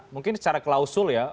mungkin secara klausul